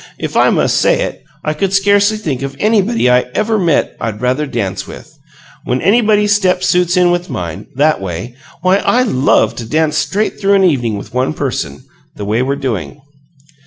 If I must say it, I could scarcely think of anybody I EVER met I'd rather dance with. When anybody's step suits in with mine, that way, why, I LOVE to dance straight through an evening with one person, the way we're doing."